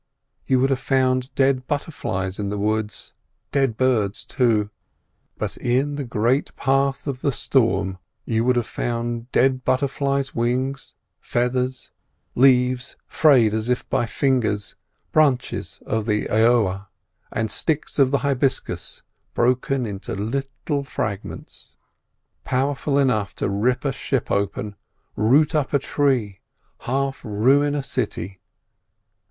You would have found dead butterflies in the woods, dead birds too; but in the great path of the storm you would have found dead butterflies' wings, feathers, leaves frayed as if by fingers, branches of the aoa, and sticks of the hibiscus broken into little fragments. Powerful enough to rip a ship open, root up a tree, half ruin a city.